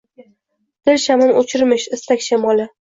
dil shamin o’chirmish istak shamoli.